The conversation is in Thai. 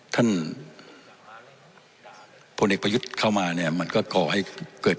ท่านพลเอกประยุทธ์เข้ามาเนี่ยมันก็ก่อให้เกิด